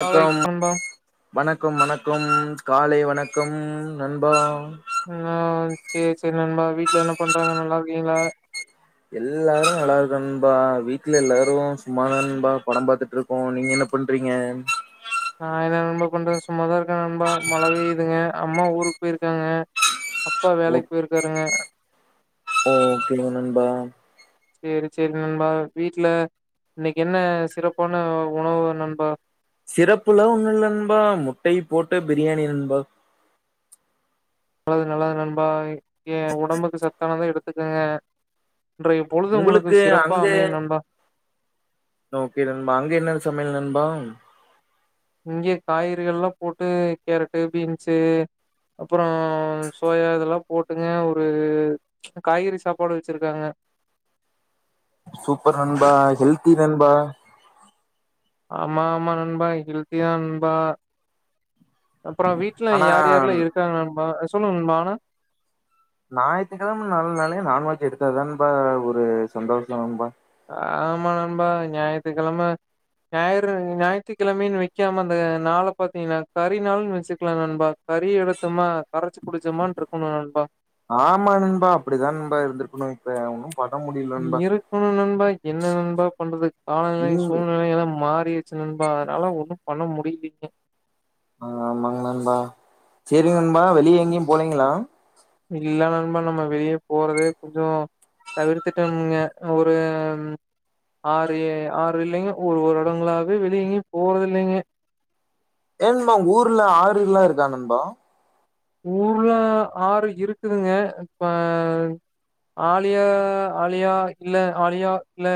காலை வணக்கம் நண்பா வணக்கம் வணக்கம், காலை வணக்கம் நண்பா, ம் ஆ சேரி சேரி நண்பா வீட்ல என்ன பண்றாங்க நல்லா இருக்கீங்ளா எல்லாரு நல்லா இருக்கோ நண்பா வீட்ல எல்லாரு சும்மாதா நண்பா படம் பாத்துட்டு இரு கோ, நீங்க என்ன பண்றீங்க நா என்ன நண்பா பண்றது சும்மாதா இருக்கே நண்பா மழ பெய்துங்க அம்மா ஊருக்கு போயிருக்காங்க அப்பா வேலைக்கு போயிருக்காருங்க ஓகே நண்பா சேரி சேரி நண்பா, வீட்ல இன்னைக்கு என்ன சிறப்பான உணவு நண்பா சிறப்புலா ஒண்ணு இல்ல நண்பா முட்டை போட்டு பிரியாணி நண்பா நல்லது நல்லது நண்பா ஏ உடம்புக்கு சத்தானதா எடுத்துக்கங்க இன்றைய பொழுது உங்களுக்கு சிறப்பா அமையு நண்பா ஓகே நண்பா அங்க என்ன சமையல் நண்பா இங்க காய்கறிகள் எல்லா போட்டு கேரட்டு பீன்ஸு அப்பறோ சோயா இதெல்லா போட்டுங்க ஒரு காய்கறி சாப்பாடு வச்சிருக்காங்க சூப்பர் நண்பா ஹெல்தி நண்பா ஆமா ஆமா நண்பா ஹெல்திதா நண்பா அப்பறோ வீட்டுல ஆனா யார் யாருலா இருக்காங்க நண்பா சொல்லுங்க நண்பா ஆனா ஞாயித்துக்கெழமை நாளனாலே நான்வெஜ் எடுத்தாதா நண்பா ஒரு சந்தோஷம் நண்பா ஆமா நண்பா ஞாயித்துக்கெழமை ஞாயிறு ஞாயித்துக்கெழமைன்னு வைக்காம அந்த நாள பாத்தீங்கனா கறி நாள்ன்னு வச்சுக்கலா நண்பா கறி எடுத்தமா கரைச்சு குடிச்சமானு இருக்கணு நண்பா ஆமா நண்பா அப்டிதா நண்பா இருந்துருக்கணு இப்ப ஒன்னு பண்ண முடியல நண்பா இருக்கணு நண்பா என்ன நண்பா பண்றது காலநிலை ம் சூழ்நிலை எல்லா மாறிடு ச்சு நண்பா அதனால ஒன்னு பண்ண முடியலீங்க ஆ ஆமாங்க நண்பா சேரி நண்பா வெளியே எங்கயு போலைங்களா இல்ல நண்பா நம்ம வெளியே போறதே கொஞ்சோ தவிர்த்துட்டமுங்க ஒரு ஆறு ஆறு இல்லைங்க ஒரு ஒரு வருடங்களாவே வெளிய எங்கயு போறது இல்லைங்க ஏ நண்பா ஊர்ல ஆறு எல்லா இருக்கா நண்பா ஊர்ல ஆறு இருக்குதுங்க இப்ப ஆழியா ஆழியா இல்ல ஆழியா இல்ல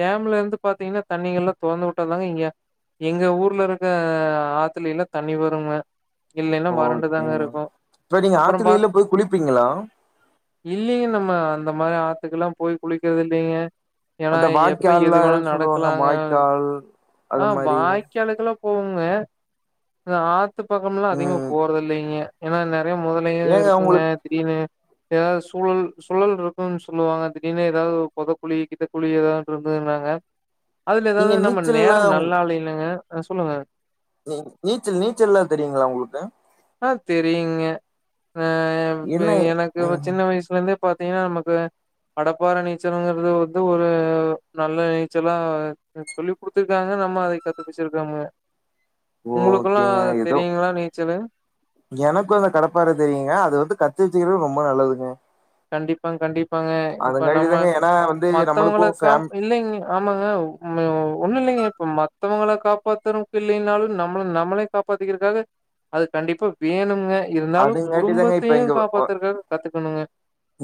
டேம்ல இருந்து பாத்தீங்கனா தண்ணிங்க எல்லா தொறந்து விட்டாந்தாங்க இங்க எங்க ஊர்ல இருக்க ஆத்துலைலா தண்ணி வருங்க இல்லைன்னா வறண்டுதாங்க ஓகேங்க இருக்கு இப்ப நீங்க ஆத்துலிலா போய் குளிப்பீங்களா இல்லைங்க நம்ம அந்த மாரி ஆத்துக்கெல்லா போய் குளிக்கிறது இல்லைங்க ஏன்னா அந்த எப்ப வாய்க்கால்ல எது வோணா சொல்லுவாங்க நடக்கலாங்க வாய்க்கால் ஆ அது மாரி வாய் க்காலுக்கு எல்லா போவங்க, அது ஆத்து பக்கம்லா அதிகமா ம் போறது இல்லைங்க ஏன்னா நெறைய முதலையு ஏங்க இருக்குங்க உங்களுக்கு திடீனு ஏதாவ்து சூளல் சூழல் இருக்குன்னு சொல்லுவாங்க திடீர்னு ஏதாவ்து ஒரு போதக்குழி கிதக்குழி ஏதாவ்து இருந்ததுன்னாங்க அதுல நீங்க ஏதாவ்து நம்ம நீச்சல்லா நேரோ நல்ல இல்லை நாங்க ஆ சொல்லுங்க நீ நீச்சல் நீச்சல்ல்லா தெரியுங்களா உங்களுக்கு ஆ தெரியுங்க ஆ இப்போ என்ன எனக்கு ம் சின்ன வய் சுலே இருந்தே பாத்தீங்கன்னா நமக்கு கடப்பாற நீச்சல்ங்கிறது வந்து ஒரு நல்ல நீச்சலா சொல்லி குடுத்துருக்காங்க நம்ம அதை கத்து பேச்சிருக்கமுங்க உங்களுக்கெல்லா ஓகேங்க ஏதோ தெரியுங்களா நீச்சலு எனக்கு அந்த கடப்பாற தெரியுங்க அது வந்து கத்து வச்சுக்கிறது ரொம்ப நல்லதுங்க கண்டிப்பாங் கண்டிப்பாங்க இப்ப அதுங்காட்டி நம்ம தாங்க ஏன்னா வந்து மத்தவங்கள நம்மளுக்கும் ஃபேம் காப் இல்லைங்க ஆமாங்க ம் எ ஒண்ணு இல்லைங்க இப்ப மத்தவங்கள காப்பாத்துறவுக்கு இல்லைனாலு நம்மள நம்மளே காப்பாத்தக்கிறதுக்காக அது கண்டிப்பா வேணுங்க இருந்தாலு அதுங்காட்டி தாங்க இப்ப குடும்பத்தையு எங்க ஒ காப்பாத்துறக்காக கத்துக்கணுங்க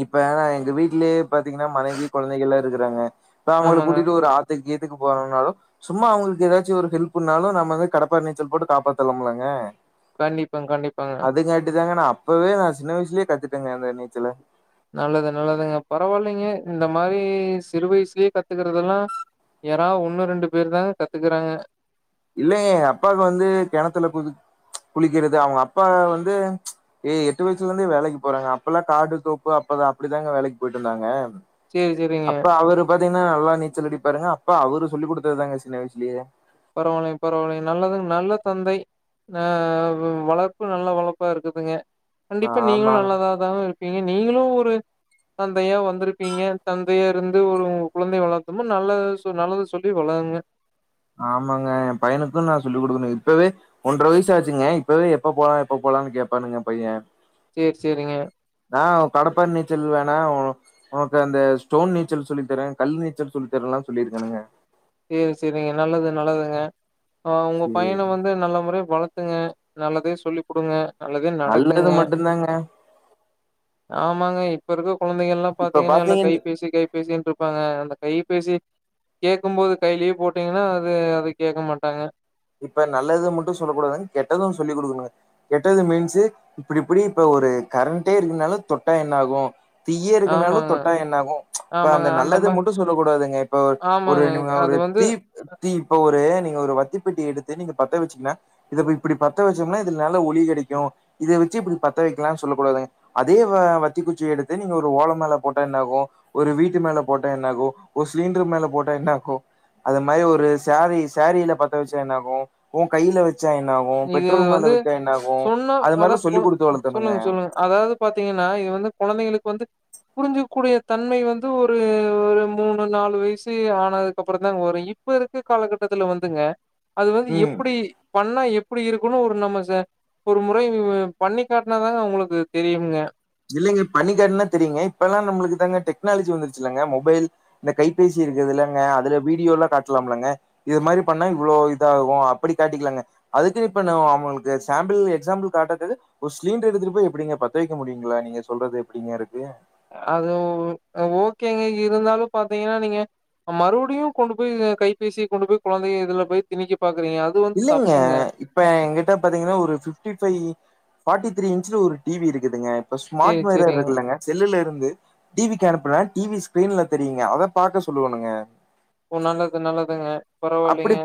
இப்ப நா எங்க வீட்லயே பாத்தீங்கன்னா மனைவி கொழந்தைக எல்லா இருக்கிறாங்க இப்ப அவுங்கள ஆமாங்க. கூட்டிட்டு ஒரு ஆத் துக்கு கீத்துக்கு போனுனாலு சும்மா அவுங்களுக்கு ஏதாச்சு ஒரு ஹெல்ப்ன்னாலு நம்மத கடப்பா நீச்சல் போட்டு காப்பாத்தலாமுள்ளங்க கண்டிப்பாங்க, கண்டிப்பாங்க. அது கரெக்ட்டு தாங்க நா அப்பவே நா சின்ன வய்சுலயே கத்துட்டேங்க அந்த நீச்சல நல்லது நல்லதுங்க பரவாயில்லைங்க இந்த மாரி சிறு வய்சுலயே கத்துக்கறதெல்லா யாரா ஒன்னு ரெண்டு பேர் தாங்க கத்துக்குறாங்க இல்லைங்க எங்க அப்பாவுக்கு வந்து கெணத்துல குதுக் குளிக்கிறது அவுங்க அப்பா வந்து ஏ எட்டு வயசுல இருந்தே வேலைக்கு போறாங்க அப்ப எல்லா காடு தோப்பு அப்ப அப்டிதாங்க வேலைக்கு போய்ட்டு இருந்தாங்க சரி, சரிங்க. அப்ப அவ்ரு பாத்தீங்கன்னா நல்லா நீச்சல் அடிப்பாருங்க அப்ப அவ்ரு சொல்லி குடுத்தது தாங்க சின்ன வய்சுலேயே பரவாயில்லீங்க பரவாயில்லீங்க நல்லது நல்ல தந்தை ஆ வ வளர்ப்பு நல்ல வளப்பா இருக்குதுங்க கண்டிப்பா நீங்களு ஆமாங்க நல்லா தா இதாவு இருப்பீங்க நீங்களு ஒரு தந்தையா வந்திருப்பீங்க தந்தையா இருந்து ஒரு கொழந்தை வளத்தோன்ன நல்ல நல்லதை சொல்லி வளங்க ஆமாங்க என் பையனுக்கு நா சொல்லிக் குடுக்கணு இப்பவே ஒன்ற வயசு ஆச்சுங்க இப்பவே எப்ப போலா எப்ப போலான்னு கேப்பானுங்க பையெ செர் செரிங்க நா கடப்பாற நீச்சல் வேணா உனக்கு அந்த ஸ்டோன் நீச்சல் சொல்லித்தரே கல் நீச்சல் சொல்லித்தரேல்லா சொல்லியிருக்கேனுங்க செரி செரிங்க நல்லது நல்லதுங்க ஆ உங்க சேரி பையன வந்து நல்ல முறையா வளத்துங்க நல்லதே சொல்லி குடுங்க நல்லதே நல்லது நடக்குங்க மட்டுந்தாங்க ஆமாங்க இப்ப இருக்க குழந்தைகல்லா இப்ப பாத்தீங்கன்னா எல்லா பாத்தீங்கன் கைப்பேசி கை பேசின்னுட்ருப்பாங்க அந்த கைபேசி கேக்கு போது கையிலயே போட்டீங்கன்னா அது அத கேக்க மாட்டாங்க இப்ப நல்லது மட்டு சொல்ல கூடாதுங்க கெட்டது சொல்லி குடுக்கணுங்க கெட்டது மீன்ஸ்ஸு இப்டி இப்டி இப்ப ஒரு கரண்டே இருக்குனாலு தொட்டா என்ன ஆகும் தீயே இருக்குனாலு ஆமாங்க தொட்டா என்ன ஆகு இப்ப அந்த ஆமாங்க நல்லதா மா மட்டு சொல்ல கூடாதுங்க இப்ப ஆமாங்க ஒருங்க ஒரு அது வந்து தீ தீ இப்ப ஒரு நீங்க ஒரு வத்தி பெட்டி எடுத்து நீங்க பத்த வச்சீங்கனா இத இப்டி பத்த வச்சோம்னா இது நல்ல ஒலி கெடைக்கு இத வச்சு இப்டி பத்த வைக்கலாம்னு சொல்லக் கூடாதுங்க அதே வ வத்தி குச்சி எடுத்து நீங்க ஒரு ஓல மேல போட்டா என்ன ஆகு ஒரு வீட்டு மேல போட்டா என்ன ஆகு ஒரு சிலிண்ரு மேல போட்டா என்ன ஆகு அது மாரி ஒரு சாரீ சேரீல பத்த வச்சா என்ன ஆகும் ஒ கையில வச் ச்சா என்ன ஆகு இது பெட்ரோல் மேல வந்து வச்சா என்ன ஆகு அது மாரிலா சொல்லி குடுத்து வளத்தணுங்க அதாது பாத்தீங்கன்னா இது வந்து கொழந்தைங்களுக்கு வந்து புரிஞ்சக்கூடிய தன்மை வந்து ஒரு ஒரு மூணு நாலு வயசு ஆனதுக்குப்புறதா வரு இப்ப இருக்க காலகட்டத்துல வந்துங்க அது வந்து ம் எப்டி பண்ணா எப் டி இருக்குன்னு ஒரு நம்ம ச ஒரு முறை பண்ணி காட்னாதாங்க அவங்களுக்கு தெரியுங்க இல்லைங்க பண்ணிக்காட்டுனா தெரியங்க இப்பெல்லா நம்ளுக்கு தாங்க டெக்னாலஜி வந்துருச்சு இல்லங்க மொபைல் இந்த கைபேசி இருக்குதுல்லங்க அதுல வீடியோ எல்லா காட்டலாம்லங்க இது மாரி பண்ணா இவ்ளோ இதாகு அப்டி காட்டிக்கலாங்க அதுக்கு இப்ப நா அவங்களுக்கு சாம்பிள் எக்ஸாம்பிள் காட்றக்கு ஒரு சிலிண்டரு எடுத்து போய் எப்டிங்க பத்த வைக்க முடியு ங்களா நீங்க சொல்றது எப்டிங்க இருக்கு அது ஓகேங்க இருந்தாலு பாத்தீங்கன்னா நீங்க மறுபடியு கொண்டு போய் கைபேசிய கொண்டு போய் கொழந்தைங்க இதுல போய் திணிக்கி பாக்குறீங்க வந்து இல்லைங்க தப்புங்க. இப்ப எங்கிட்ட பாத்தீங்கன்னா ஒரு ஃபிஃப்டி ஃபைவ் ஃபார்ட்டி த்ரீ இன்ச்ல ஒரு டி வி இருக்குதுங்க இப்ப ஸ்மார்ட் சரி, வைர சரிங்க. இருக்குல்லங்க செல்லுல இருந்து டிவிக்கு அனுப்புனா டிவி ஸ்க்ரீன்ல தெரியுங்க அத பாக்க சொல்லுவணுங்க ஓ நல்லது நல்லதுங்க அப்படி பரவாயில்லைங்க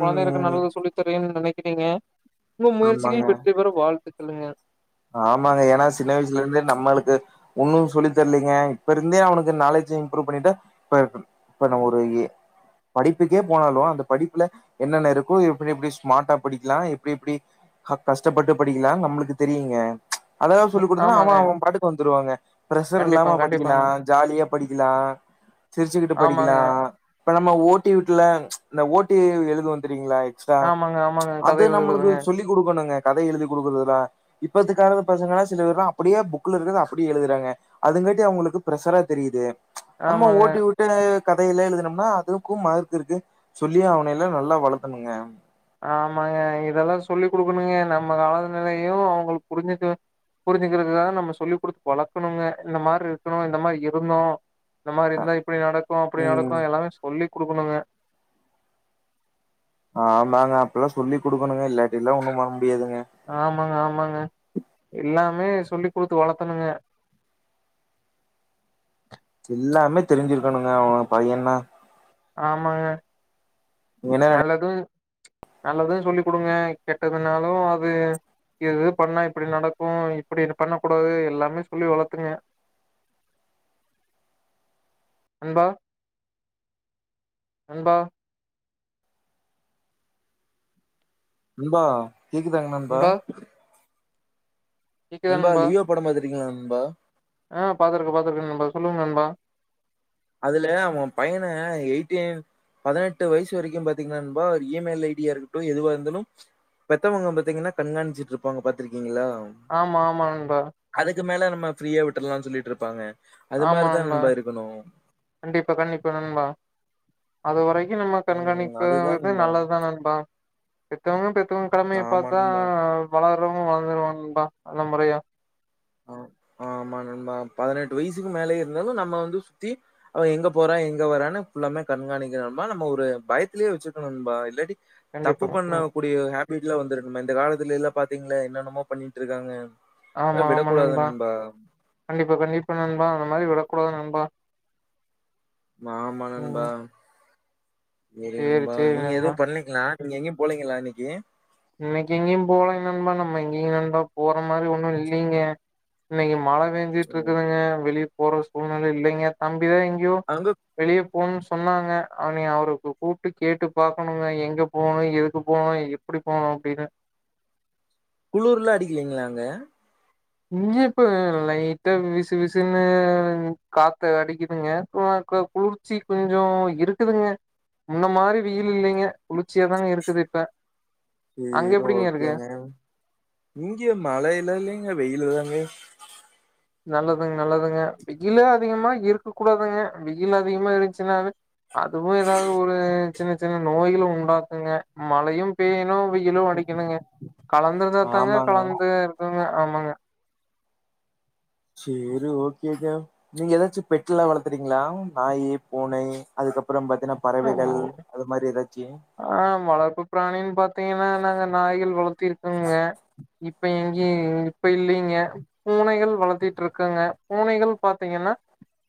கொழந்தைகளுக்கு நல்லது சொல்லி தரேன்னு நெனைக்கிறீங்க உங்க ஆமாங்க முயர்சிகள் வெற்றி பெற வாழ்த்துக்களுங்க ஆமாங்க ஏன்னா சின்ன வயசுல இருந்தே நம்மளுக்கு ஒன்னு சொல்லி தரலீங்க இப்ப இருந்தே அவனுக்கு நாலேஜ் இம்ப்ரூவ் பண்ணிட்டு இப்ப இப்ப நம்ம எ ஒரு படிப்புக்கே போனாலு அந்த படிப்புல என்னென்ன இருக்கு எப்டி எப்டி ஸ்மார்டா படிக்கலா எப்டி எப்டி கஷ்டப்பட்டு படிக்கலா நம்ளுக்கு தெரியுங்க அதெல்லா சொல்லி குடுத்தன்னா ஆமாங்க. அவ அவ பாட்டுக்கு வந்துருவாங்க ப்ரஷர் இல்லாம கண்டிப்பாங்க படிக்கலா கண்டிப்பாங்க. ஜாலியா படிக்கலா சிரிச்சுக்கிட்டு ஆமாங்க, படிக்கலா இப்ப நம்ம ஓட்டி வீட்ல இந்த ஓட்டி எழுதுவோ தெரியுங்களா ச ஆமாங்க, ஆமாங்க. கதை அது நம்ளுக்கு எழுதுறதுங்க. சொல்லி் குடுக்கணுங்க கதை எழுதி குடுக்குறதுல இப்பத்துக்காக பசங்கல்லா சில பேர்லா அப்படியே புக்ல இருக்றத அப்படியே எழுதுறாங்க அதுங்காட்டி அவங்களுக்கு ப்ரஷரா தெரியுது நம்ம ஆமாங்க, ஓட்டி ஓட் வி கதையெல்லா எழுதனம்னா அதுக்கு மார்க் இருக்கு சொல்லியே ஆவனு இல்ல நல்லா வளத்தணுங்க ஆமாங்க இதெல்லா சொல்லி் குடுக்கணுங்க நம்ம காலத்திலையு அவங்களுக்கு புரிஞ்சுட்டு புரிஞ்சுிக்கிறதுக்காக நம்ம சொல்லி் குடுத்து வளக்கணுங்க இந்த மாரி இருக்கணு இந்த மாரி இருந்தோ இந்த மாரி இருந்தா இப்டி நடக்கு அப்டி ம் நடக்கு எல்லாமே சொல்லி குடுக்கணுங்க ஆமாங்க அப்புல்லா சொல்லி குடுக்கணுங்க இல்லாட்டில்லா ஒன்னு பன்ன முடியாதுங்க ஆமாங்க ஆமாங்க எல்லாமே சொல்லி குடுத்து வளத்தணுங்க எல்லாமே தெரிஞ்சுருக்கணுங்க அவங்க பையனா ஆமாங்க நீங்க என்னா நல்லது நல்லது சொல்லி குடுங்க கெட்டதுனாலு அது இது இது பண்ணா இப்டி நடக்கு இப்டி பண்ண கூடாது எல்லாமே சொல்லி வளத்துங்க நண்பா நண்பா நண்பா கேக்குதாங் நண்பா நண்பா லியோ படோ பாத்திருக்கீங்களா நண்பா ஆ பாத்துருக்க பாத்துருக்கே நண்பா சொல்லுங்க நண்பா அதுல அவோ பையன எயிட்டீன் பதினெட்டு வயசு வரைக்கு பாத்தீங்கன்னா நண்பா ஒரு இ மெயில் ஐ டி யா இருக்கட்டு எதுவா இருந்தாலு பெத்தவுங்க பாத்தீங்கன்னா கண்காணிச்சிட்ருப்பாங்க பாத்துருக்கீங்களா ஆமா ஆமா நண்பா அதுக்கு மேல நம்ம ஃப்ரீயா விட்ரலான்னு சொல்லிட்ருப்பாங்க ஆமா நண்பா கண்டிப்பா கண்டிப்பா நண்பா அது வரைக்கு நம்ம ம் கண்காணிப்பது அதுதான் வந்து நண்பா நல்லதுதா நண்பா பெத்தவுங்க பெத்தவுங்க கடமைய ஆமா பாத்தா நண்பா வளர்றவுங்க வளந்துருவாங்க நண்பா நல்ல முறையா ஆ ஆமா நண்பா பதினெட்டு வயசுக்கு மேலேயே இருந்தாலு நம்ம வந்து சுத்தி அவே எங்க போறா எங்க வரான்னு ஃபுல்லாமே கண்காணிக்கணு நண்பா நம்ம ஒரு பயத்துலேயே வச்சுருக்கணு நண்பா இல்லாட்டி கண்டிப்பா தப்பு பண்ண ம் கூடிய ஒரு ஹேபிட்லா வந்துருக்குமே இந்த காலத்துலைலா பாத்தீங்களே என்னென்னமோ பண்ணிட்டு இருக்காங்க ஆமா அதெல்லா ஆமா விடக்கூடாது நண்பா கண்டிப்பா கண்டிப்பா நண்பா அந்த மாதிரி விடக்கூடாது நண்பா ஆமா நண்பா ம் சேரி நண்பா சேரி நீங்க எது நண்பா பண்ணிங்களா நீங்க எங்கேயு போலீங்களா இன்னைக்கு இன்னைக்கு எங்கேயு போலங்க நண்பா நம்ம எங்கேயங்க நண்பா போற மாறி ஒண்ணு இல்லைங்க இன்னைக்கு மழ பேஞ்சிட்ருக்குதுங்க வெளியே போற சூழ்நில இல்லங்க தம்பிதா எங்கேயோ அங்க வெளியே போணும்னு சொன்னாங்க அவனய அவருக்கு கூப்ட்டு கேட்டு பாக்கணுங்க எங்க போணு எதுக்கு போணு எட்டி போணு அப்டின்னு குளுர்லா அடிக்கலைங்களா அங்க இங்க இப்ப லைட்டா விசு விசுன்னு காத்து அடிக்குதுங்க அ குளுர் சி கொஞ்சோ இருக்குதுங்க முன்ன மாரி வெயில் இல்லைங்க குளிர்ச்சியாதாங்க இருக்குது இப்ப அங்க சேரி எப்டிங்க இருக்கு ஓகேங்க இங்க மழைல இல்ல இல்லங்க வெயில் தாங்க நல்லதுங்க நல்லதுங்க வெயிலே அதிகமா இருக்க கூடாதுங்க வெயில் அதிகமா இருந்துச்சுன்னாவே அதுவு ஏதாவது ஒரு சின்ன சின்ன நோய்கள உண்டாக்குங்க மழையு பேயனு வெயிலு அடிக்கணுங்க கலந்துருந்தாத்தாங்க ஆமாங்க கலந்து இருக்குங்க ஆமாங்க சேரி ஓகேங்க நீங்க எதாச்சு பெட்டுலா வளத்துருக்கிறீங்களா நாயி பூனை அதுக்கப்பறோ பாத்தீன்னா பறவைகள் அது மாறி எதாச்சு ஆ வளர்ப்பு பிராணின்னு பாத்தீங்கன்னா நாங்க நாய்கள் வளத்திருக்கோங்க இப்ப எங்க இப்ப இல்லைங்க பூனைகள் வளர்த்துட்டுருக்கேங்க பூனைகள் பாத்தீங்கன்னா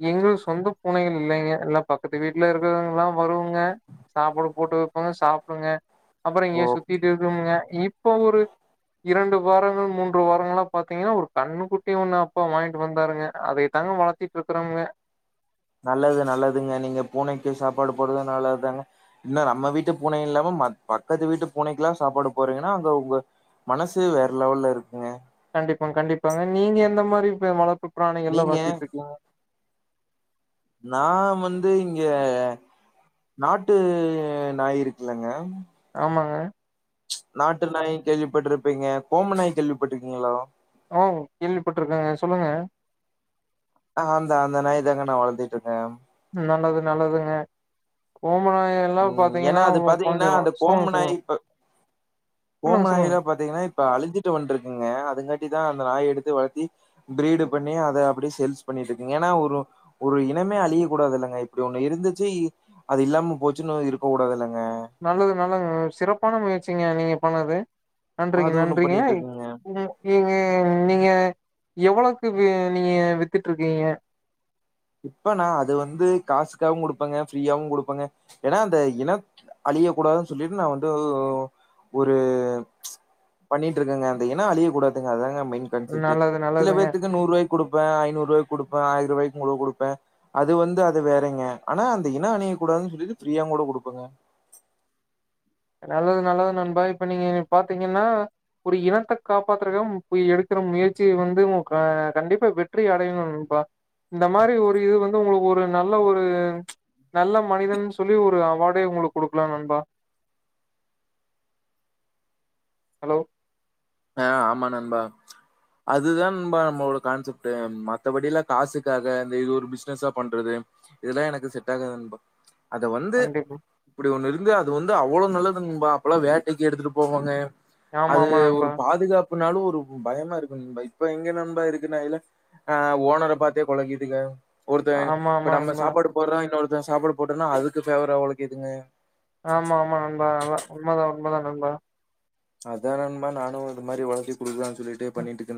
எங்களுக்கு சொந்த பூனைகள் இல்லைங்க எல்லா பக்கத்து வீட்டுல இருக்குறவங்கல்லா வருங்க சாப்பாடு போட்டு வைப்போ சாப்புடுங்க அப்பறோ இங்கயே ஓ சுத்திட்டு இருக்குமுங்க இப்ப ஒரு இரண்டு வாரங்கள் மூன்று வாரங்களா பாத்தீங்கன்னா ஒரு கண்ணுக் குட்டி ஒன்னு அப்பா வாங்கிட்டு வந்தாருங்க அதை தாங்க வளத்திட்டு இருக்கறோம்ங்க நல்லது நல்லதுங்க நீங்க பூனைக்கு சாப்பாடு போடுறது நல்லது தாங்க என்ன நம்ம வீட்டு பூனை இல்லாம ம பக்கத்து வீட்டு பூனைக்கெல்லா சாப்பாடு போடுறீங்கன்னா அங்க உங்க மனசு வேற லெவல்ல இருக்குங்க கண்டிப்பா கண்டிப்பாங்க நீங்க எந்த மாறி இப்ப வளர்ப்பு பிராணிகள்லா நீங்க வளத்திட்டு இருக்கீங்க நா வந்து இங்க நாட்டு நாய் இருக்குலங்க ஆமாங்க நாட்டு நாய் கேள்விப்பட்ருப்பீங்க கோமநாய் கேள்விப்பட்ருக்கீங்ளோ ஓ கேள்விப்பட்ருக்கேங்க சொல்லுங்க ஆ அந்த அந்த நாய் தாங்க நா வளத்துட்ருக்கே நல்லது நல்லதுங்க ஓம்ம நாய ம் ஏன்னா அது பாத்தீங்கன்னா அந்த கோமநாய் சொல்லுங்க இப்ப சொல்லுங்க சொல்லுங்க கோமநாயலா பத் த்தீங்கனா இப்ப அழி்ஞ்சிட்டு வந்ட்ருக்குங்க அதுங்காட்டி தா அந்த நாய் எடுத்து வளத்தி ப்ரீடு பண்ணி அத அப்டியே சேல்ஸ் பண்ணிட்ருக்குங் ஏன்னா ஒரு ஒரு இனமே அழிய கூடாது இல்லங்க இப்டி ஒண்ணு இருந்துச்சி அது இல்லாம போத் ற்றுநோய் இருக்க கூடாது இல்லங்க நல்லது நல்லதுங்க சிறப்பான முயற்சிங்க நீங்க பண்ணது நன்றிங்க அது ஒண்ணு நன்றிங்கய் பண்ணிட்ருக்குங்க [unintelligible] ஈங்க நீங்க எவ்வளக்கு வே நீங்க வித்துட்ருக்கீங்க இப்பனா அது வந்து காசுக்காவு குடுப்பங்க ஃப்ரீயாவு குடுப்பங்க ஏனா அந்த இனப் அழிய கூடாதுன் சொல்லிட்டு நா வந்துவ் ஒரு பண்ணிட்ருக்கங்க அந்த இன அழியக் கூடாதுங்க அதாங்க மெய்ன் கன்செப்ட்டு நல்லது சில நல்லதுங்க பேத்துக்கு நூர்வய் குடுப்பே ஐநூறுவாய் குடுப்பே ஆய் ருவாய் உங்குளு குடுப்பே அது வந்து அது வேறங்க ஆனா அந்த இன அணியக் கூடாதுன் சொல்லிட்டு ஃப்ரீயாங் கூட குடுப்பங்க நல்லது நல்லது நண்பா இப்ப நீங்க பாத்தீங்கன்னா ஒரு இனத்த காப்பாத்துறுக்கம் போய் எடுக்குற முயற்சி வந்து மோ கா கண்டிப்பா வெற்றி அடையணும் பா இந்த மாரி ஒரு இது வந்து உங்களுக் ஒரு நல்ல ஒரு நல்ல மனிதன் சொல்லி ஒரு அவாடே உங்குளுக் குடுக்லா நண்பா ஹலோ ஆ ஆமா நண்பா அதுதா நன்பா நம்மளோட கான்செப்ட்டு மத்தபடில்லா காசுக்காக இந்த இது ஒரு பிசினஸ்ஸா பண்றது இதெல்லாம் எனக்கு செட் ஆகாது நண்பா அத வந்து கண்டிப்பா இப்டி ஒன்னு இருந்து அது வந்து அவ்ளோ நல்லதுங்பா அப்பல்லா வேட்டைக்கி எடுத்துட்டு போவாங்க ஆமா அது ஆமா ஒரு நண்பா பாதுகாப்புனாலு ஒருஉ பயமா இருக்கு யி பை இப்ப எங்க நண்பா இருக்கு நாயுல ஆ ஓனர பாத்தே கொழக்கிதுக ஒருத்த ஆமா இப்ப ஆமா நம்ம நண்பா சாப்பாடு போறா இன்னொருத்த சாப்பாடு போட்டோன்னா அதுக்கு ஃபேவரா ஒழக்கிதுங்க ஆமா ஆமா நண்பா ஆல உண்மதா உண்மதா நண்பா அதா நண்பா நானு இந்து மாரி ஒளச்சி குடுக்லான் சொல்லிட்டு பண்ணிட்ருக்கன்